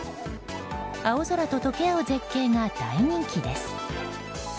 青空と溶け合う絶景が大人気です。